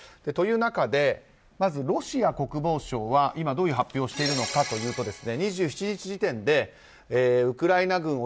という中で、まずロシア国防省は今どういう発表をしているのかといいますと２７日時点でウクライナ軍